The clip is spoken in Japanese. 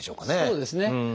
そうですね。